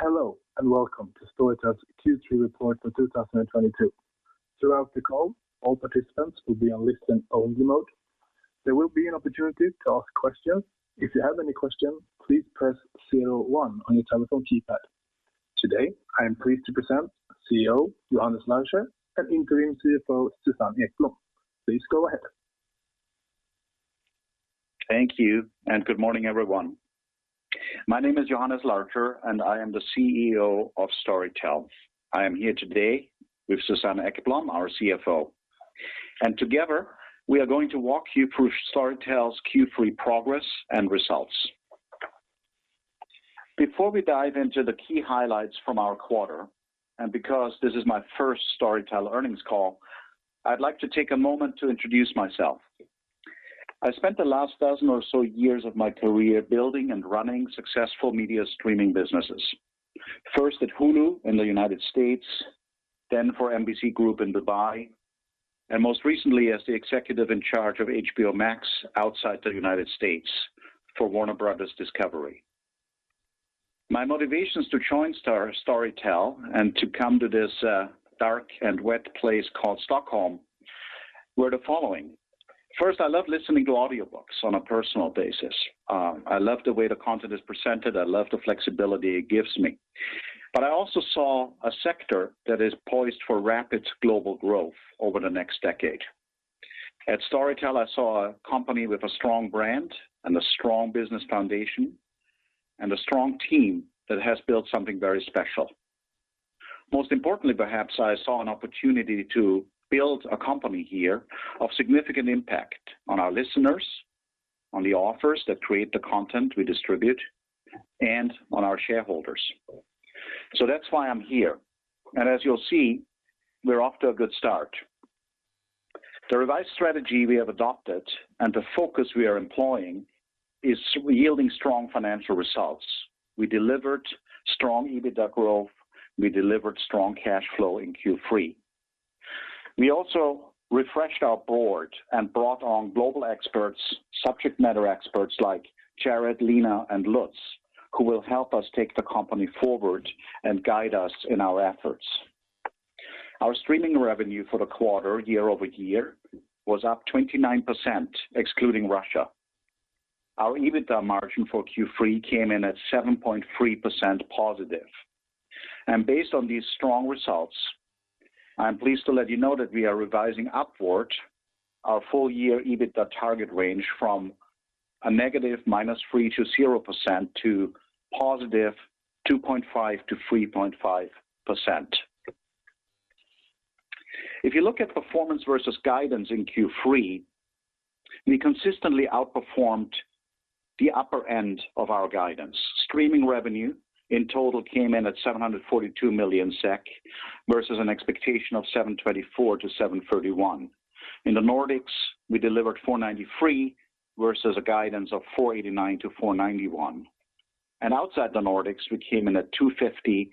Hello and welcome to Storytel's Q3 report for 2022. Throughout the call, all participants will be on listen-only mode. There will be an opportunity to ask questions. If you have any questions, please press zero one on your telephone keypad. Today, I am pleased to present CEO Johannes Larcher and Interim CFO Susanne Ekblom. Please go ahead. Thank you and good morning, everyone. My name is Johannes Larcher, and I am the CEO of Storytel. I am here today with Susanne Ekblom, our CFO. Together, we are going to walk you through Storytel's Q3 progress and results. Before we dive into the key highlights from our quarter, and because this is my first Storytel earnings call, I'd like to take a moment to introduce myself. I spent the last dozen or so years of my career building and running successful media streaming businesses. First at Hulu in the United States, then for NBC Group in Dubai, and most recently as the executive in charge of HBO Max outside the United States for Warner Bros. Discovery. My motivations to join Storytel and to come to this dark and wet place called Stockholm were the following. First, I love listening to audiobooks on a personal basis. I love the way the content is presented, I love the flexibility it gives me. I also saw a sector that is poised for rapid global growth over the next decade. At Storytel, I saw a company with a strong brand and a strong business foundation and a strong team that has built something very special. Most importantly, perhaps, I saw an opportunity to build a company here of significant impact on our listeners, on the authors that create the content we distribute, and on our shareholders. That's why I'm here. As you'll see, we're off to a good start. The revised strategy we have adopted and the focus we are employing is yielding strong financial results. We delivered strong EBITDA growth. We delivered strong cash flow in Q3. We also refreshed our board and brought on global experts, subject-matter experts like Jared, Lina and Lutz, who will help us take the company forward and guide us in our efforts. Our streaming revenue for the quarter year-over-year was up 29%, excluding Russia. Our EBITDA margin for Q3 came in at 7.3%+. Based on these strong results, I'm pleased to let you know that we are revising upward our full-year EBITDA target range from -3% to 0% to 2.5%-3.5%. If you look at performance versus guidance in Q3, we consistently outperformed the upper end of our guidance. Streaming revenue in total came in at 742 million SEK versus an expectation of 724 million-731 million. In the Nordics, we delivered 493 million versus a guidance of 489 million-491 million. Outside the Nordics, we came in at 250 million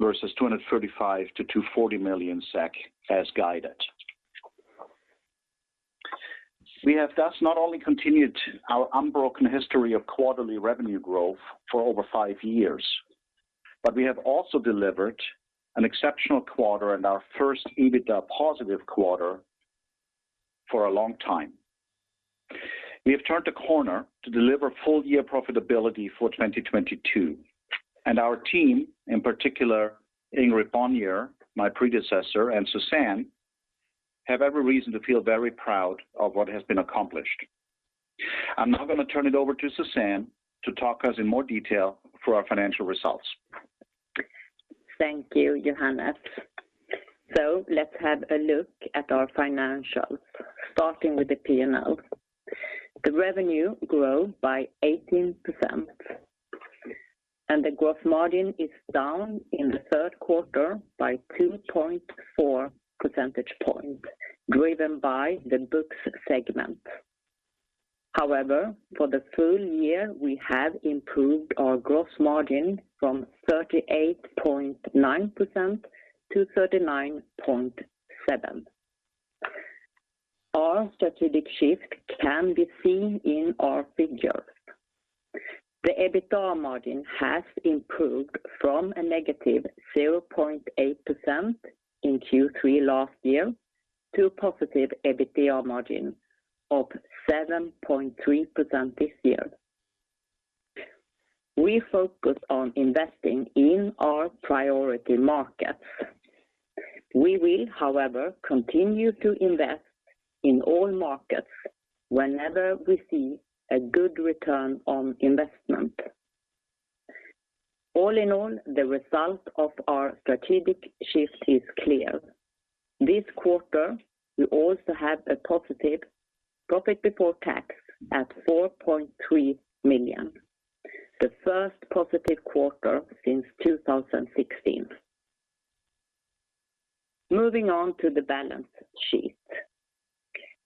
versus 235 million-240 million SEK as guided. We have thus not only continued our unbroken history of quarterly revenue growth for over five years, but we have also delivered an exceptional quarter and our first EBITDA positive quarter for a long time. We have turned a corner to deliver full year profitability for 2022. Our team, in particular, Ingrid Bojner, my predecessor, and Susanne, have every reason to feel very proud of what has been accomplished. I'm now gonna turn it over to Susanne to talk us in more detail through our financial results. Thank you, Johannes. Let's have a look at our financials, starting with the P&L. The revenue grew by 18%, and the gross margin is down in the third quarter by 2.4 percentage points, driven by the books segment. However, for the full year, we have improved our gross margin from 38.9% to 39.7%. Our strategic shift can be seen in our figures. The EBITDA margin has improved from a -0.8% in Q3 last year to a positive EBITDA margin of 7.3% this year. We focus on investing in our priority markets. We will, however, continue to invest in all markets whenever we see a good return on investment. All in all, the result of our strategic shift is clear. This quarter, we also have a positive profit before tax at 4.3 million, the first positive quarter since 2016. Moving on to the balance sheet.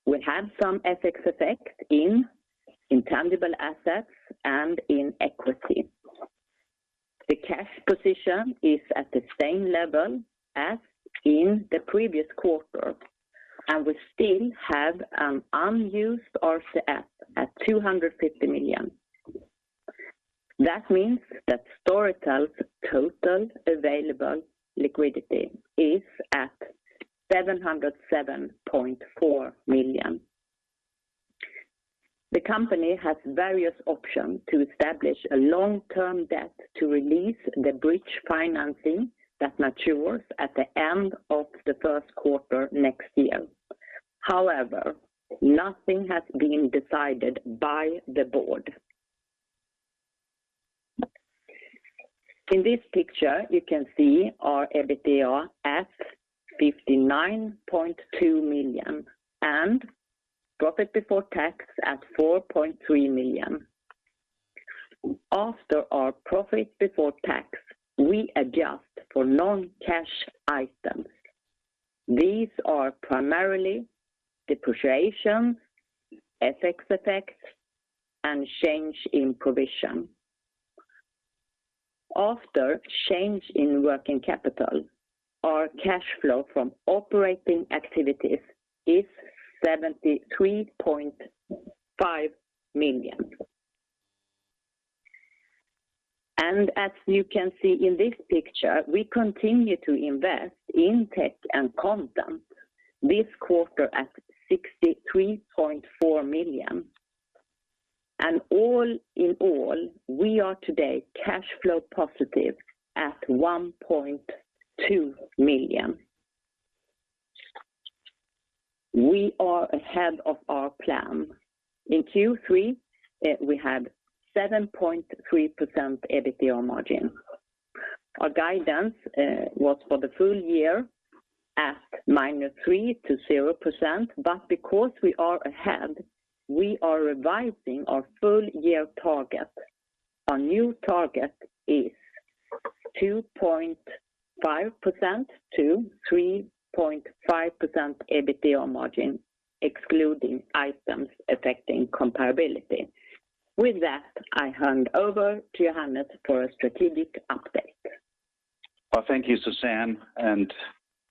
We have some FX effect in intangible assets and in equity. The cash position is at the same level as in the previous quarter. We still have an unused RCF at 250 million. That means that Storytel's total available liquidity is at 707.4 million. The company has various options to establish a long-term debt to release the bridge financing that matures at the end of the first quarter next year. However, nothing has been decided by the board. In this picture, you can see our EBITDA at 59.2 million and profit before tax at 4.3 million. After our profit before tax, we adjust for non-cash items. These are primarily depreciation, FX effects, and change in provision. After change in working capital, our cash flow from operating activities is SEK 73.5 million. As you can see in this picture, we continue to invest in tech and content this quarter at 63.4 million. All in all, we are today cash flow positive at 1.2 million. We are ahead of our plan. In Q3, we had 7.3% EBITDA margin. Our guidance was for the full year at -3% to 0%. Because we are ahead, we are revising our full year target. Our new target is 2.5%-3.5% EBITDA margin, excluding items affecting comparability. With that, I hand over to Johannes for a strategic update. Well, thank you, Susanne, and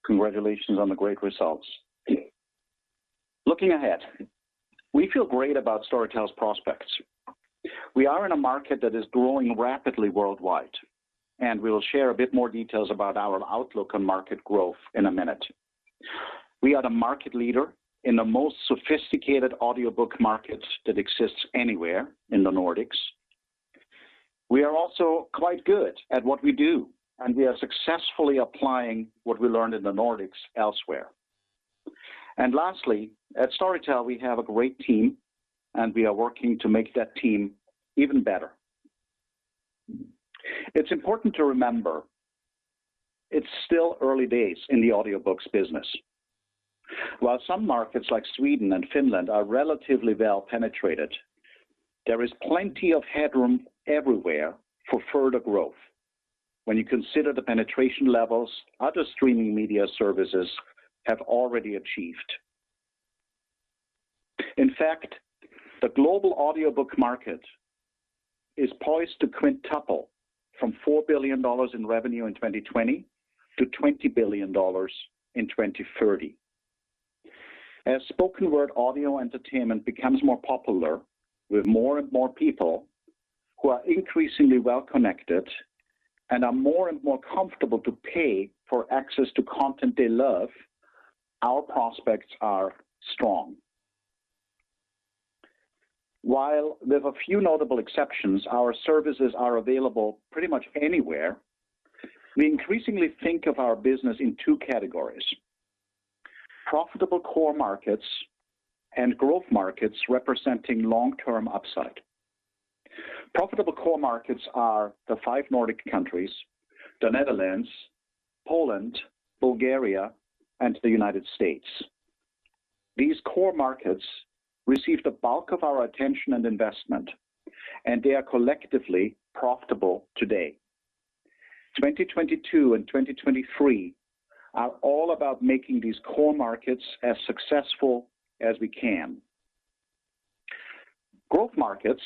congratulations on the great results. Looking ahead, we feel great about Storytel's prospects. We are in a market that is growing rapidly worldwide, and we'll share a bit more details about our outlook on market growth in a minute. We are the market leader in the most sophisticated audiobook markets that exists anywhere in the Nordics. We are also quite good at what we do, and we are successfully applying what we learned in the Nordics elsewhere. Lastly, at Storytel, we have a great team, and we are working to make that team even better. It's important to remember it's still early days in the audiobooks business. While some markets like Sweden and Finland are relatively well penetrated, there is plenty of headroom everywhere for further growth when you consider the penetration levels other streaming media services have already achieved. In fact, the global audiobook market is poised to quintuple from $4 billion in revenue in 2020 to $20 billion in 2030. As spoken word audio entertainment becomes more popular with more and more people who are increasingly well connected and are more and more comfortable to pay for access to content they love, our prospects are strong. While with a few notable exceptions, our services are available pretty much anywhere, we increasingly think of our business in two categories, profitable core markets and growth markets representing long-term upside. Profitable core markets are the five Nordic countries, the Netherlands, Poland, Bulgaria, and the United States. These core markets receive the bulk of our attention and investment, and they are collectively profitable today. 2022 and 2023 are all about making these core markets as successful as we can. Growth markets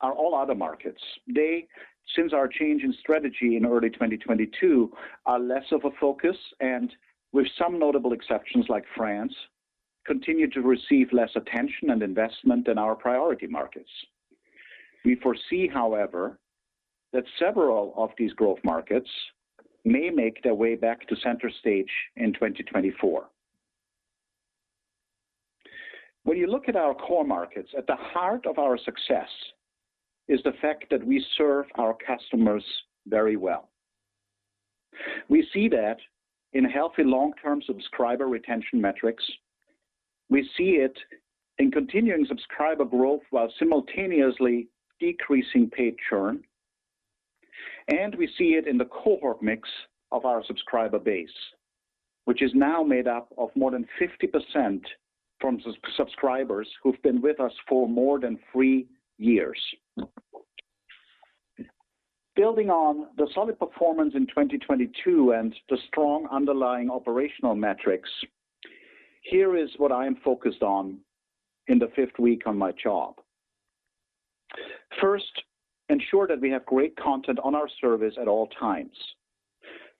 are all other markets. They, since our change in strategy in early 2022, are less of a focus, and with some notable exceptions, like France, continue to receive less attention and investment than our priority markets. We foresee, however, that several of these growth markets may make their way back to center stage in 2024. When you look at our core markets, at the heart of our success is the fact that we serve our customers very well. We see that in healthy long-term subscriber retention metrics. We see it in continuing subscriber growth while simultaneously decreasing paid churn. We see it in the cohort mix of our subscriber base, which is now made up of more than 50% from subscribers who've been with us for more than three years. Building on the solid performance in 2022 and the strong underlying operational metrics, here is what I am focused on in the fifth week on my job. First, ensure that we have great content on our service at all times.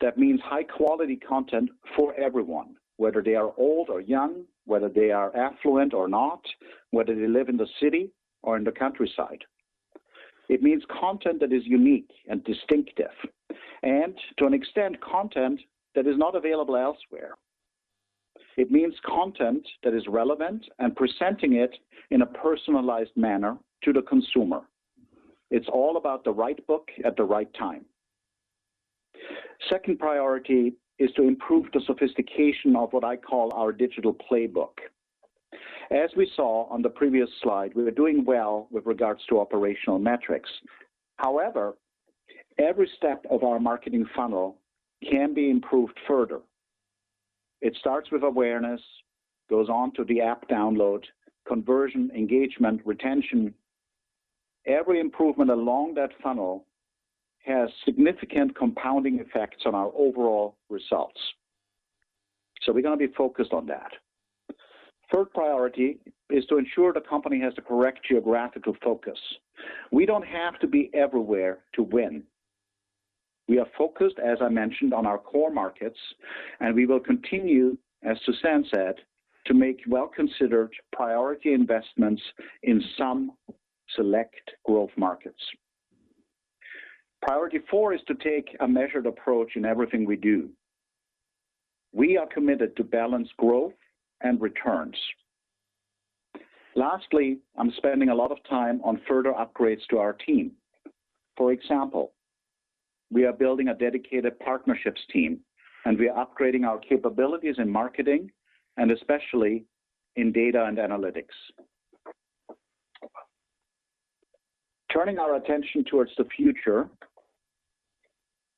That means high-quality content for everyone, whether they are old or young, whether they are affluent or not, whether they live in the city or in the countryside. It means content that is unique and distinctive, and to an extent, content that is not available elsewhere. It means content that is relevant and presenting it in a personalized manner to the consumer. It's all about the right book at the right time. Second priority is to improve the sophistication of what I call our digital playbook. As we saw on the previous slide, we were doing well with regards to operational metrics. However, every step of our marketing funnel can be improved further. It starts with awareness, goes on to the app download, conversion, engagement, retention. Every improvement along that funnel has significant compounding effects on our overall results. We're gonna be focused on that. Third priority is to ensure the company has the correct geographical focus. We don't have to be everywhere to win. We are focused, as I mentioned, on our core markets, and we will continue, as Susanne said, to make well-considered priority investments in some select growth markets. Priority four is to take a measured approach in everything we do. We are committed to balance growth and returns. Lastly, I'm spending a lot of time on further upgrades to our team. For example, we are building a dedicated partnerships team, and we are upgrading our capabilities in marketing and especially in data and analytics. Turning our attention towards the future,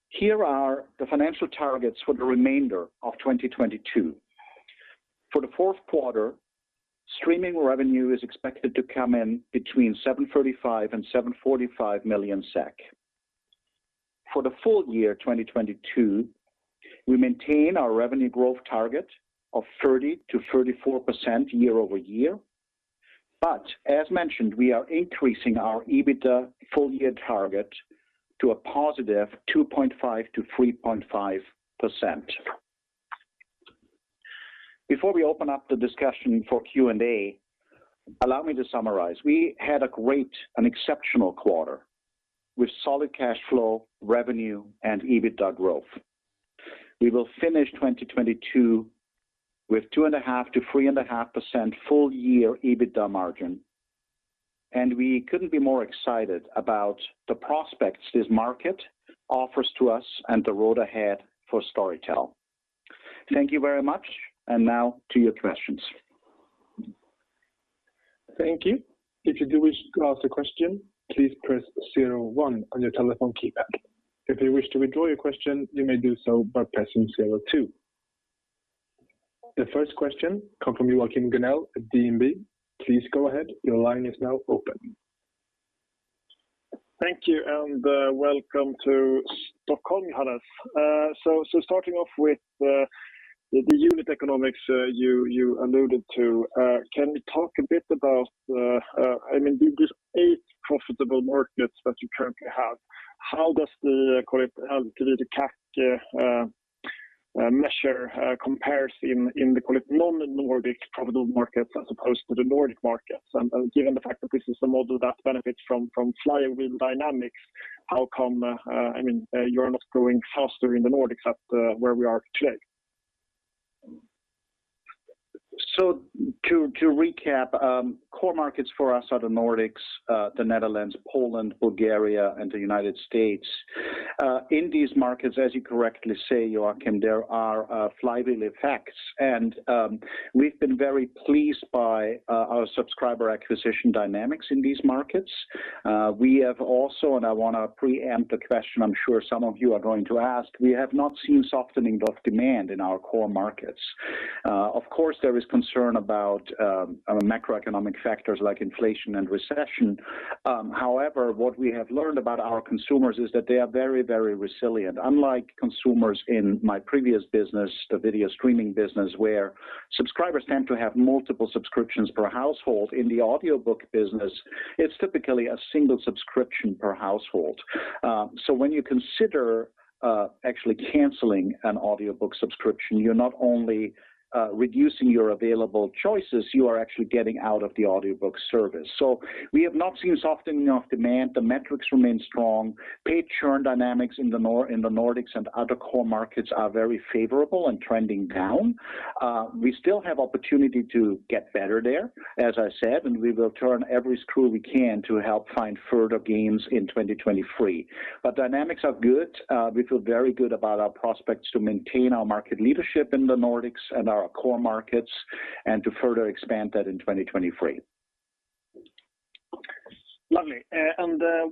here are the financial targets for the remainder of 2022. For the fourth quarter, streaming revenue is expected to come in between 735 million and 745 million SEK. For the full year 2022, we maintain our revenue growth target of 30%-34% year-over-year. As mentioned, we are increasing our EBITDA full year target to a +2.5% to 3.5%. Before we open up the discussion for Q&A, allow me to summarize. We had a great and exceptional quarter with solid cash flow, revenue, and EBITDA growth. We will finish 2022 with 2.5%-3.5% full year EBITDA margin, and we couldn't be more excited about the prospects this market offers to us and the road ahead for Storytel. Thank you very much. Now to your questions. Thank you. If you do wish to ask a question, please press zero one on your telephone keypad. If you wish to withdraw your question, you may do so by pressing zero two. The first question comes from Joachim Gunell at DNB. Please go ahead. Your line is now open. Thank you, and welcome to Stockholm, Hannes. So starting off with the unit economics you alluded to. Can you talk a bit about, I mean, these eight profitable markets that you currently have, how does the call it the CAC measure compares in the call it non-Nordic profitable markets as opposed to the Nordic markets? Given the fact that this is a model that benefits from flywheel dynamics, how come, I mean, you're not growing faster in the Nordics at where we are today? To recap, core markets for us are the Nordics, the Netherlands, Poland, Bulgaria, and the United States. In these markets, as you correctly say, Joachim, there are flywheel effects. We've been very pleased by our subscriber acquisition dynamics in these markets. We have also, and I wanna preempt a question I'm sure some of you are going to ask, we have not seen softening of demand in our core markets. Of course, there is concern about, I don't know, macroeconomic factors like inflation and recession. However, what we have learned about our consumers is that they are very, very resilient. Unlike consumers in my previous business, the video streaming business, where subscribers tend to have multiple subscriptions per household, in the audiobook business, it's typically a single subscription per household. When you consider actually canceling an audiobook subscription, you're not only reducing your available choices, you are actually getting out of the audiobook service. We have not seen softening of demand. The metrics remain strong. Paid churn dynamics in the Nordics and other core markets are very favorable and trending down. We still have opportunity to get better there, as I said, and we will turn every screw we can to help find further gains in 2023. Dynamics are good. We feel very good about our prospects to maintain our market leadership in the Nordics and our core markets and to further expand that in 2023. Lovely.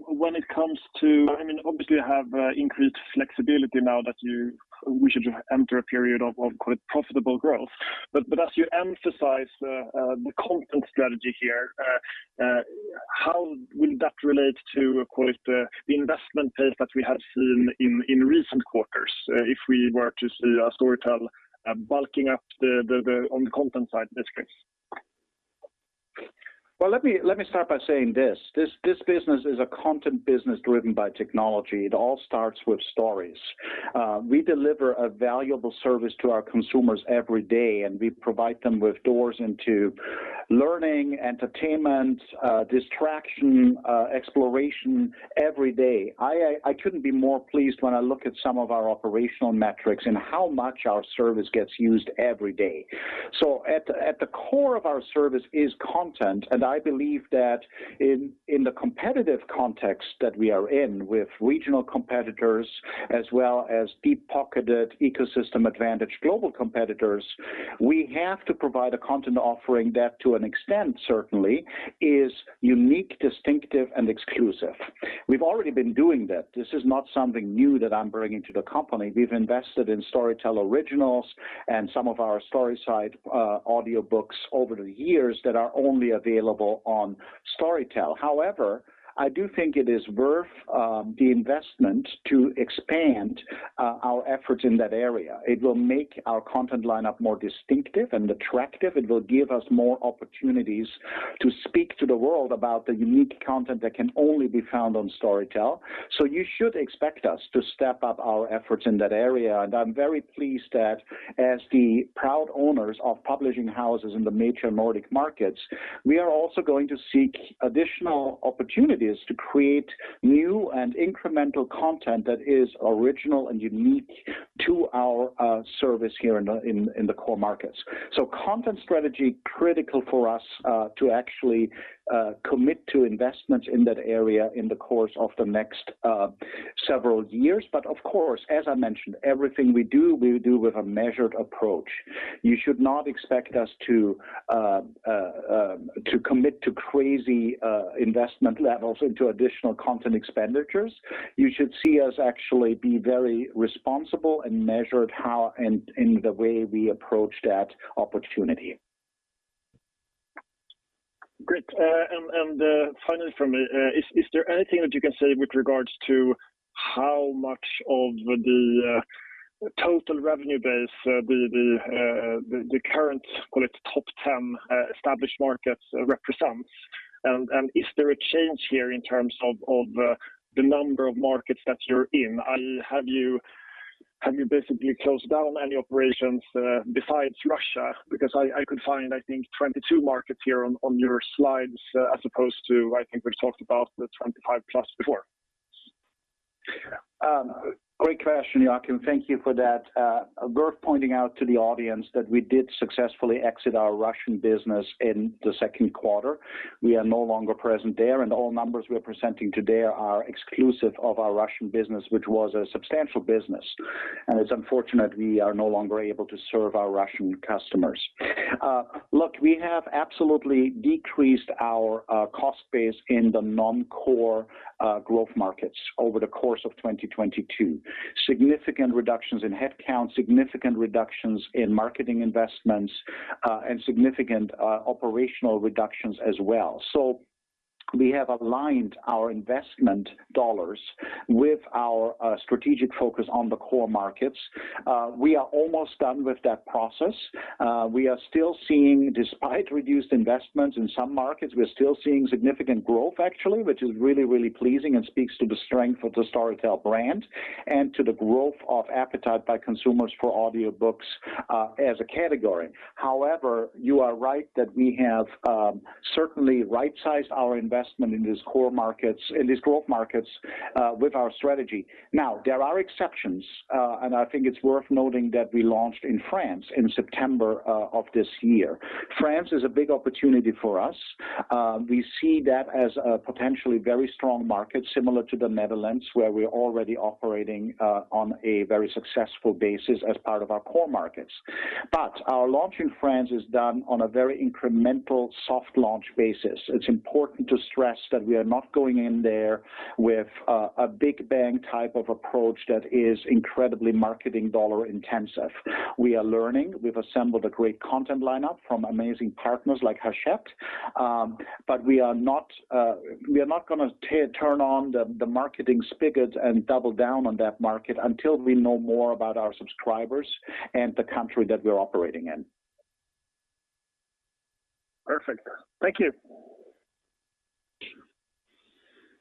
When it comes to I mean, obviously you have increased flexibility now that you wish to enter a period of call it profitable growth. As you emphasize the content strategy here, how will that relate to call it the investment pace that we have seen in recent quarters, if we were to see Storytel bulking up on the content side of things? Well, let me start by saying this business is a content business driven by technology. It all starts with stories. We deliver a valuable service to our consumers every day, and we provide them with doors into learning, entertainment, distraction, exploration every day. I couldn't be more pleased when I look at some of our operational metrics and how much our service gets used every day. At the core of our service is content, and I believe that in the competitive context that we are in with regional competitors as well as deep-pocketed ecosystem advantage global competitors, we have to provide a content offering that to an extent certainly is unique, distinctive, and exclusive. We've already been doing that. This is not something new that I'm bringing to the company. We've invested in Storytel Originals and some of our Storyside audiobooks over the years that are only available on Storytel. However, I do think it is worth the investment to expand our efforts in that area. It will make our content lineup more distinctive and attractive. It will give us more opportunities to speak to the world about the unique content that can only be found on Storytel. You should expect us to step up our efforts in that area. I'm very pleased that as the proud owners of publishing houses in the major Nordic markets, we are also going to seek additional opportunities to create new and incremental content that is original and unique to our service here in the core markets. Content strategy, critical for us, to actually commit to investments in that area in the course of the next several years. Of course, as I mentioned, everything we do, we do with a measured approach. You should not expect us to commit to crazy investment levels into additional content expenditures. You should see us actually be very responsible and measured how and the way we approach that opportunity. Great. And finally from me, is there anything that you can say with regards to how much of the total revenue base the current, call it, top 10 established markets represents? Is there a change here in terms of the number of markets that you're in? Have you basically closed down any operations besides Russia? Because I could find, I think, 22 markets here on your slides as opposed to, I think we've talked about the 25+ before. Great question, Joachim. Thank you for that. Worth pointing out to the audience that we did successfully exit our Russian business in the second quarter. We are no longer present there, and all numbers we are presenting today are exclusive of our Russian business, which was a substantial business. It's unfortunate we are no longer able to serve our Russian customers. Look, we have absolutely decreased our cost base in the non-core growth markets over the course of 2022. Significant reductions in head count, significant reductions in marketing investments, and significant operational reductions as well. We have aligned our investment dollars with our strategic focus on the core markets. We are almost done with that process. We are still seeing despite reduced investments in some markets, we're still seeing significant growth actually, which is really pleasing and speaks to the strength of the Storytel brand and to the growth of appetite by consumers for audiobooks, as a category. However, you are right that we have certainly right-sized our investment in these core markets, in these growth markets, with our strategy. Now, there are exceptions, and I think it's worth noting that we launched in France in September of this year. France is a big opportunity for us. We see that as a potentially very strong market, similar to the Netherlands, where we're already operating on a very successful basis as part of our core markets. Our launch in France is done on a very incremental soft launch basis. It's important to stress that we are not going in there with a big bang type of approach that is incredibly marketing dollar intensive. We are learning. We've assembled a great content lineup from amazing partners like Hachette. We are not gonna turn on the marketing spigots and double down on that market until we know more about our subscribers and the country that we're operating in. Perfect. Thank you.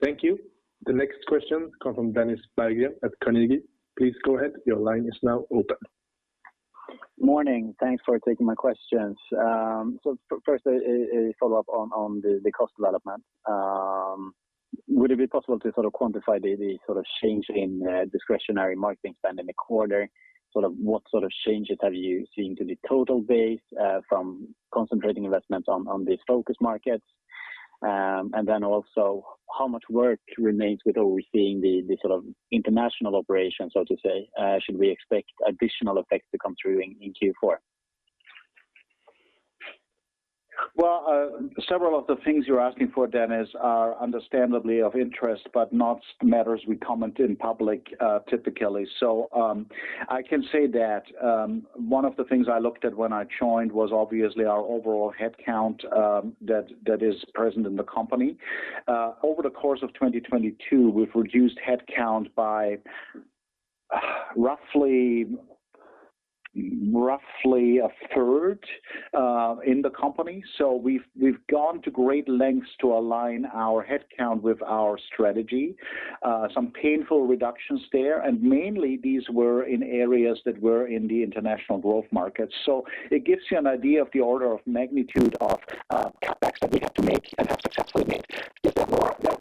Thank you. The next question comes from Dennis Bager at Carnegie. Please go ahead. Your line is now open. Morning. Thanks for taking my questions. First, a follow-up on the cost development. Would it be possible to sort of quantify the sort of change in discretionary marketing spend in the quarter? What sort of changes have you seen to the total base from concentrating investments on these focus markets? Then also, how much work remains with overseeing the sort of international operations, so to say? Should we expect additional effects to come through in Q4? Well, several of the things you're asking for, Dennis, are understandably of interest, but not matters we comment in public, typically. I can say that one of the things I looked at when I joined was obviously our overall head count that is present in the company. Over the course of 2022, we've reduced head count by roughly 1/3 in the company. We've gone to great lengths to align our head count with our strategy. Some painful reductions there, and mainly these were in areas that were in the international growth markets. It gives you an idea of the order of magnitude of cutbacks that we had to make and have successfully made. There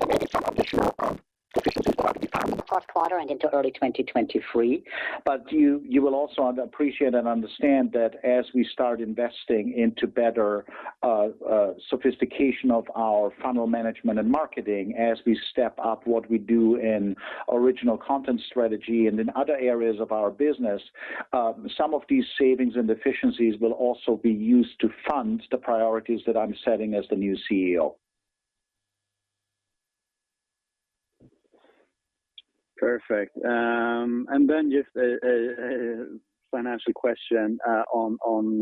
may be some additional efficiencies that will be found. Fourth quarter and into early 2023. You will also appreciate and understand that as we start investing into better sophistication of our funnel management and marketing, as we step up what we do in original content strategy and in other areas of our business, some of these savings and efficiencies will also be used to fund the priorities that I'm setting as the new CEO. Perfect. Just a financial question on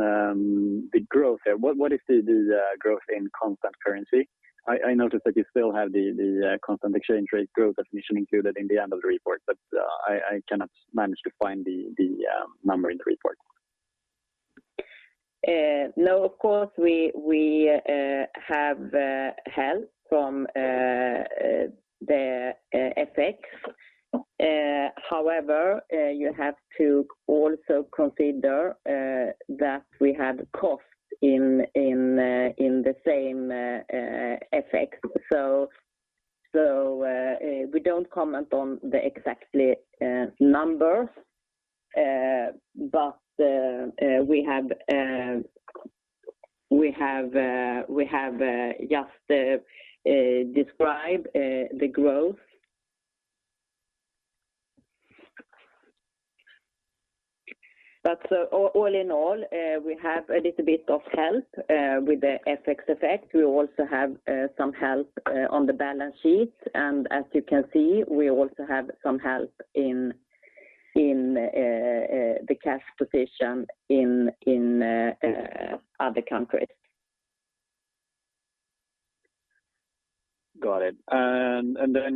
the growth there. What is the growth in constant currency? I noticed that you still have the constant exchange rate growth definition included in the end of the report, but I cannot manage to find the number in the report. No, of course, we have help from the FX. However, you have to also consider that we have costs in the same FX. We don't comment on the exact numbers. We have just described the growth. All in all, we have a little bit of help with the FX effect. We also have some help on the balance sheet. As you can see, we also have some help in the cash position in other countries. Got it.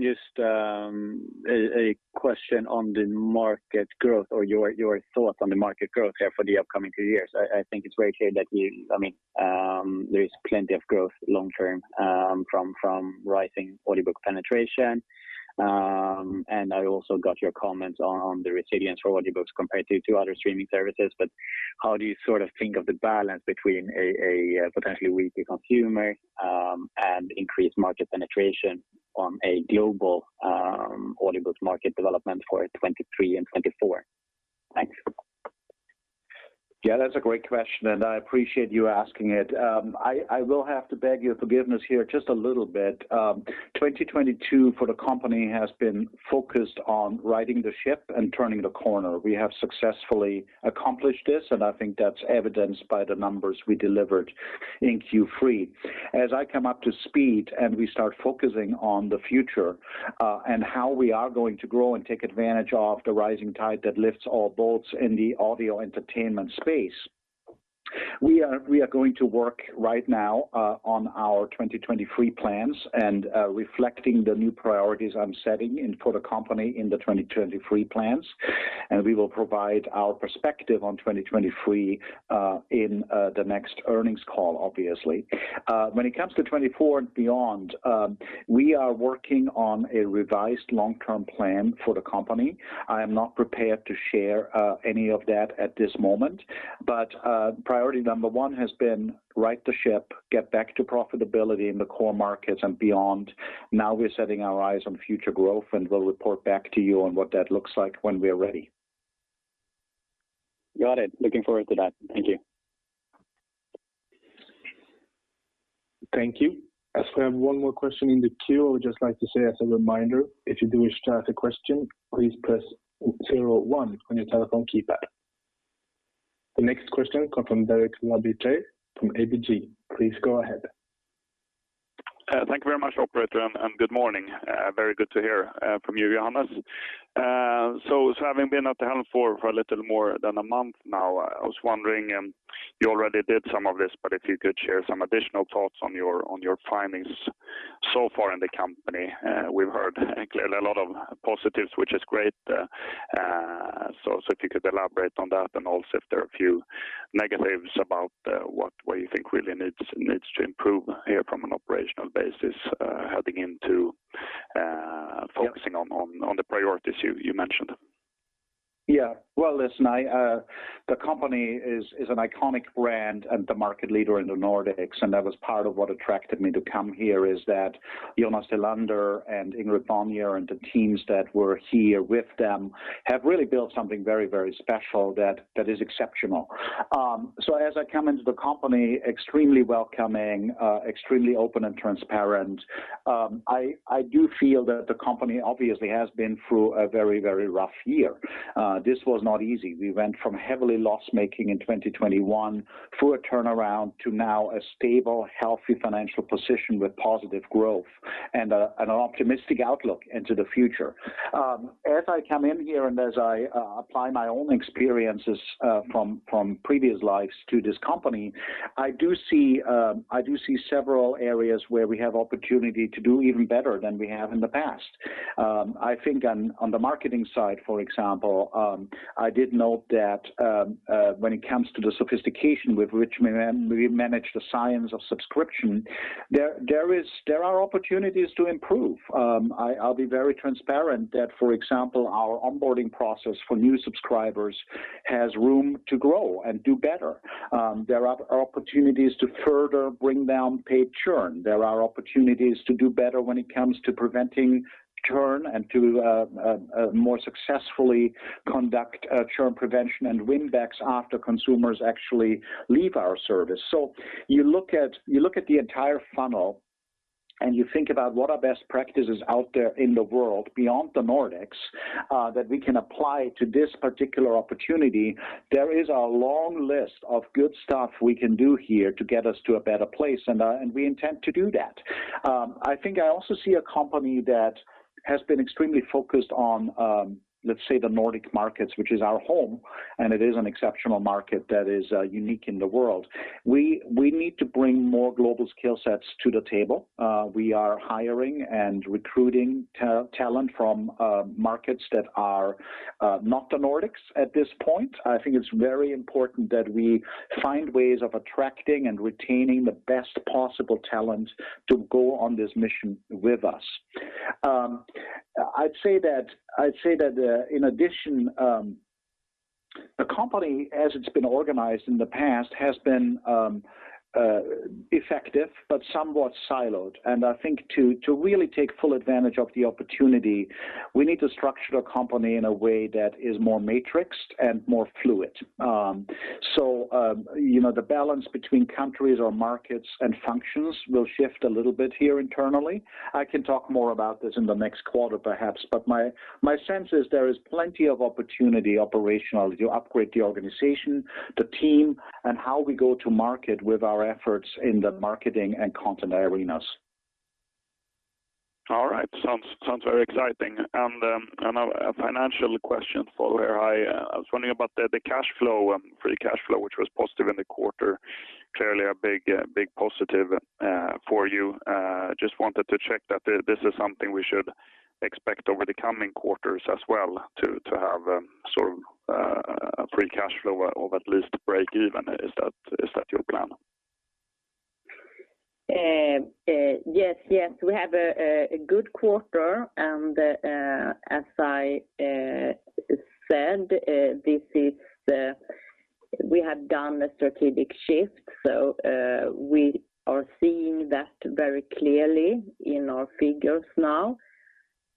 Just a question on the market growth or your thoughts on the market growth here for the upcoming two years. I think it's very clear that you I mean there is plenty of growth long term from rising audiobook penetration. I also got your comments on the resilience for audiobooks compared to other streaming services. How do you sort of think of the balance between a potentially weaker consumer and increased market penetration on a global audiobooks market development for 2023 and 2024? Thanks. Yeah, that's a great question, and I appreciate you asking it. I will have to beg your forgiveness here just a little bit. 2022 for the company has been focused on righting the ship and turning the corner. We have successfully accomplished this, and I think that's evidenced by the numbers we delivered in Q3. As I come up to speed and we start focusing on the future, and how we are going to grow and take advantage of the rising tide that lifts all boats in the audio entertainment space, we are going to work right now on our 2023 plans and reflecting the new priorities I'm setting in for the company in the 2023 plans. We will provide our perspective on 2023 in the next earnings call, obviously. When it comes to 2024 and beyond, we are working on a revised long-term plan for the company. I am not prepared to share any of that at this moment. Priority number one has been right the ship, get back to profitability in the core markets and beyond. Now we're setting our eyes on future growth, and we'll report back to you on what that looks like when we're ready. Got it. Looking forward to that. Thank you. Thank you. As we have one more question in the queue, I would just like to say as a reminder, if you do wish to ask a question, please press zero one on your telephone keypad. The next question comes from Derek Laliberté from ABG. Please go ahead. Thank you very much, operator, and good morning. Very good to hear from you, Johannes. Having been at the helm for a little more than a month now, I was wondering, you already did some of this, but if you could share some additional thoughts on your findings so far in the company. We've heard clearly a lot of positives, which is great. If you could elaborate on that and also if there are a few negatives about what you think really needs to improve here from an operational basis, heading into focusing on the priorities you mentioned. Yeah. Well, listen. The company is an iconic brand and the market leader in the Nordics, and that was part of what attracted me to come here is that Jonas Tellander and Ingrid Bojner and the teams that were here with them have really built something very, very special that is exceptional. As I come into the company extremely welcoming, extremely open and transparent, I do feel that the company obviously has been through a very, very rough year. This was not easy. We went from heavily loss-making in 2021 through a turnaround to now a stable, healthy financial position with positive growth and an optimistic outlook into the future. As I come in here and as I apply my own experiences from previous lives to this company, I do see several areas where we have opportunity to do even better than we have in the past. I think on the marketing side, for example, I did note that when it comes to the sophistication with which we manage the science of subscription, there are opportunities to improve. I'll be very transparent that, for example, our onboarding process for new subscribers has room to grow and do better. There are opportunities to further bring down paid churn. There are opportunities to do better when it comes to preventing churn and to more successfully conduct churn prevention and win-backs after consumers actually leave our service. You look at the entire funnel and you think about what are best practices out there in the world beyond the Nordics that we can apply to this particular opportunity. There is a long list of good stuff we can do here to get us to a better place, and we intend to do that. I think I also see a company that has been extremely focused on, let's say, the Nordic markets, which is our home, and it is an exceptional market that is unique in the world. We need to bring more global skill sets to the table. We are hiring and recruiting talent from markets that are not the Nordics at this point. I think it's very important that we find ways of attracting and retaining the best possible talent to go on this mission with us. I'd say that in addition, the company as it's been organized in the past has been effective but somewhat siloed. I think to really take full advantage of the opportunity, we need to structure the company in a way that is more matrixed and more fluid. You know, the balance between countries or markets and functions will shift a little bit here internally. I can talk more about this in the next quarter perhaps, but my sense is there is plenty of opportunity operationally to upgrade the organization, the team, and how we go to market with our efforts in the marketing and content arenas. All right. Sounds very exciting. A financial question for you. I was wondering about the cash flow, free cash flow, which was positive in the quarter, clearly a big positive for you. Just wanted to check that this is something we should expect over the coming quarters as well to have sort of a free cash flow or at least break even. Is that your plan? Yes, yes. We have a good quarter and as I said, we have done a strategic shift, so we are seeing that very clearly in our figures now,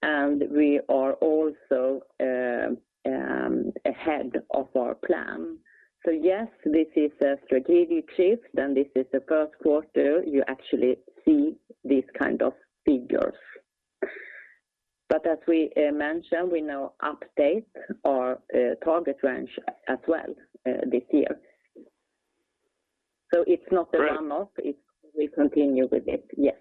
and we are also ahead of our plan. Yes, this is a strategic shift, and this is the first quarter you actually see these kind of figures. But as we mentioned, we now update our target range as well this year. It's not a one-off. Great. We continue with it, yes.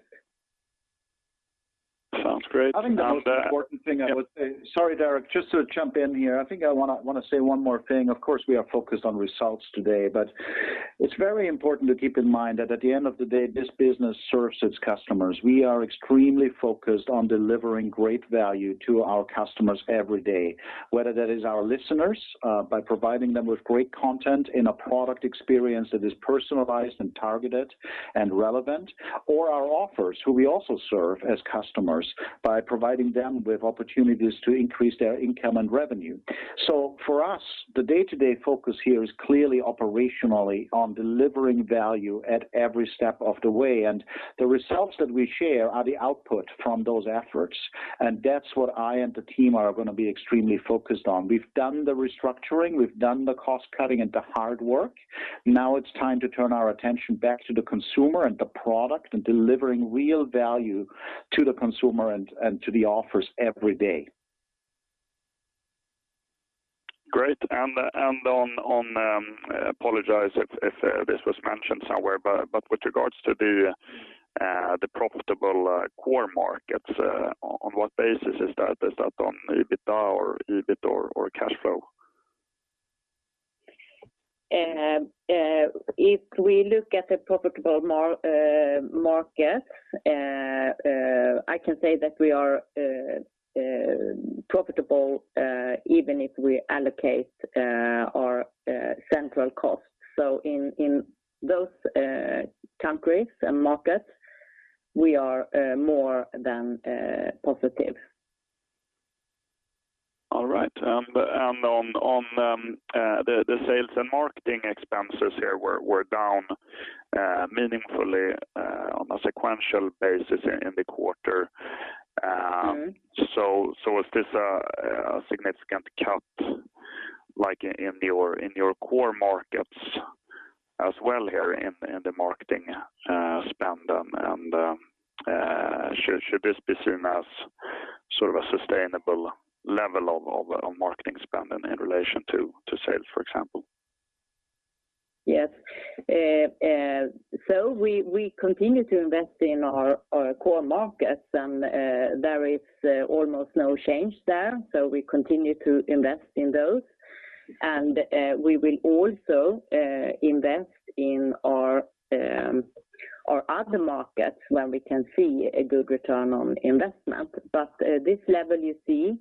Sounds great. I think the most important thing I would say. Sorry, Derek, just to jump in here. I think I wanna say one more thing. Of course, we are focused on results today, but it's very important to keep in mind that at the end of the day, this business serves its customers. We are extremely focused on delivering great value to our customers every day, whether that is our listeners by providing them with great content in a product experience that is personalized and targeted and relevant, or our authors who we also serve as customers by providing them with opportunities to increase their income and revenue. For us, the day-to-day focus here is clearly operationally on delivering value at every step of the way, and the results that we share are the output from those efforts, and that's what I and the team are gonna be extremely focused on. We've done the restructuring. We've done the cost cutting and the hard work. Now it's time to turn our attention back to the consumer and the product and delivering real value to the consumer and to the authors every day. Great. Apologize if this was mentioned somewhere, but with regards to the profitable core markets, on what basis is that? Is that on EBITDA or EBIT or cash flow? If we look at the profitable market, I can say that we are profitable, even if we allocate our central costs. In those countries and markets, we are more than positive. All right. On the sales and marketing expenses here were down meaningfully on a sequential basis in the quarter. Mm-hmm. Is this a significant cut like in your core markets as well here in the marketing spend? Should this be seen as sort of a sustainable level of marketing spend in relation to sales, for example? Yes. We continue to invest in our core markets, and there is almost no change there. We continue to invest in those. We will also invest in our other markets when we can see a good return on investment. This level you see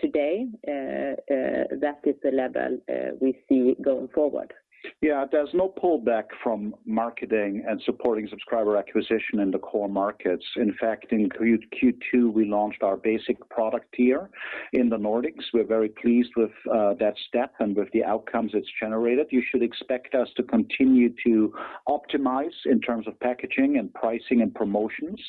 today, that is the level we see going forward. Yeah. There's no pullback from marketing and supporting subscriber acquisition in the core markets. In fact, in Q2, we launched our basic product here in the Nordics. We're very pleased with that step and with the outcomes it's generated. You should expect us to continue to optimize in terms of packaging and pricing and promotions.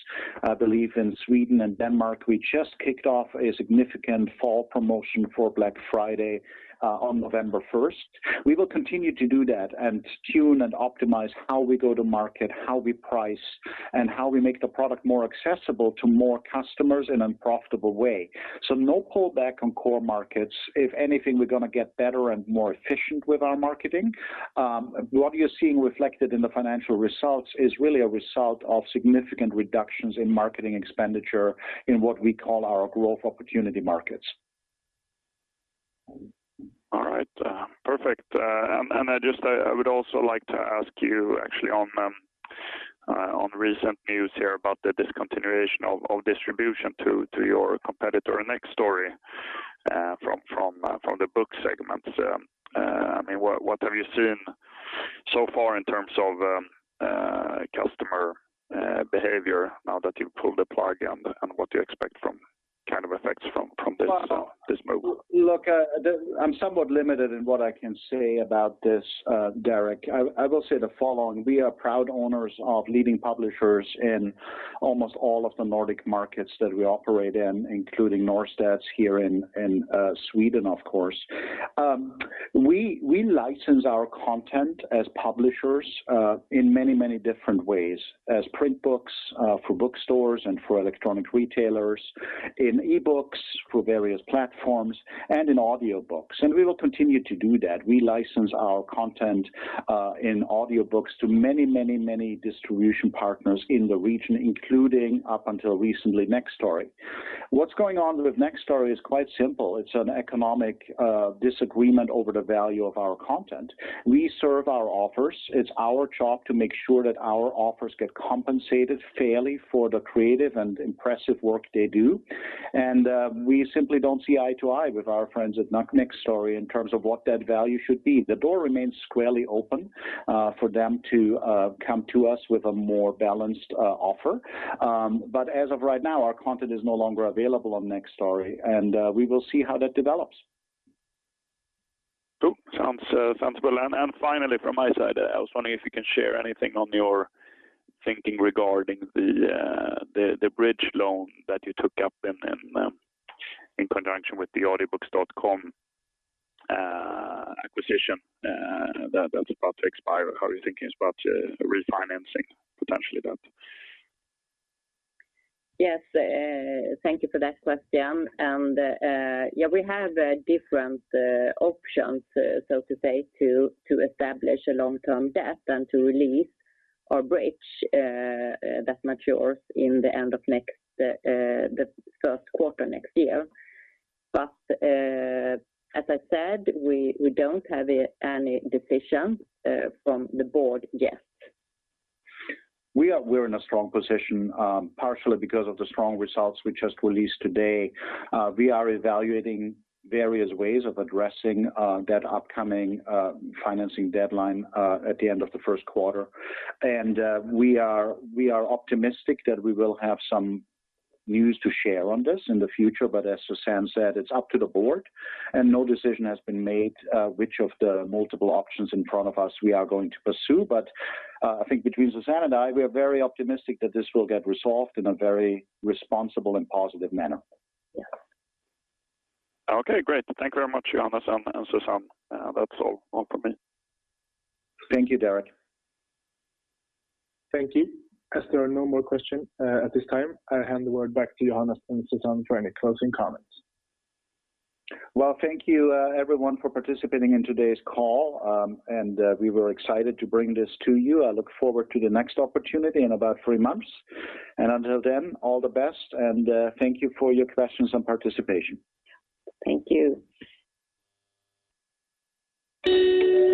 I believe in Sweden and Denmark, we just kicked off a significant fall promotion for Black Friday on November 1st. We will continue to do that and tune and optimize how we go to market, how we price, and how we make the product more accessible to more customers in a profitable way. No pullback on core markets. If anything, we're gonna get better and more efficient with our marketing. What you're seeing reflected in the financial results is really a result of significant reductions in marketing expenditure in what we call our growth opportunity markets. All right. Perfect. I would also like to ask you actually on recent news here about the discontinuation of distribution to your competitor, Nextory, from the book segment. I mean, what have you seen so far in terms of customer behavior now that you've pulled the plug and what do you expect kind of effects from this move? Look, I'm somewhat limited in what I can say about this, Derek. I will say the following: We are proud owners of leading publishers in almost all of the Nordic markets that we operate in, including Norstedts here in Sweden, of course. We license our content as publishers in many, many different ways as print books for bookstores and for electronic retailers, in e-books for various platforms, and in audiobooks. We will continue to do that. We license our content in audiobooks to many, many, many distribution partners in the region, including up until recently, Nextory. What's going on with Nextory is quite simple. It's an economic disagreement over the value of our content. We serve our authors. It's our job to make sure that our authors get compensated fairly for the creative and impressive work they do. We simply don't see eye to eye with our friends at Nextory in terms of what that value should be. The door remains squarely open for them to come to us with a more balanced offer. As of right now, our content is no longer available on Nextory, and we will see how that develops. Cool. Sounds well. Finally from my side, I was wondering if you can share anything on your thinking regarding the bridge loan that you took up in conjunction with the Audiobooks.com acquisition, that's about to expire. How are you thinking about refinancing potentially that? Yes. Thank you for that question. Yeah, we have different options, so to say, to establish a long-term debt and to release our bridge that matures in the first quarter next year. As I said, we don't have any decision from the board yet. We're in a strong position, partially because of the strong results we just released today. We are evaluating various ways of addressing that upcoming financing deadline at the end of the first quarter. We are optimistic that we will have some news to share on this in the future. As Susanne said, it's up to the board, and no decision has been made which of the multiple options in front of us we are going to pursue. I think between Susanne and I, we are very optimistic that this will get resolved in a very responsible and positive manner. Yeah. Okay, great. Thank you very much, Johannes and Susanne. That's all from me. Thank you, Derek. Thank you. As there are no more questions, at this time, I hand the word back to Johannes and Susanne for any closing comments. Well, thank you, everyone, for participating in today's call. We were excited to bring this to you. I look forward to the next opportunity in about three months. Until then, all the best, and thank you for your questions and participation. Thank you.